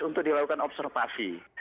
untuk dilakukan observasi